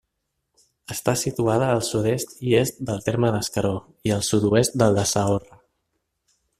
Està situada al sud-est i est del terme d'Escaró i al sud-oest del de Saorra.